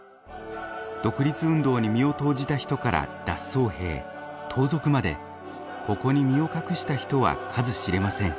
独立運動に身を投じた人から脱走兵盗賊までここに身を隠した人は数知れません。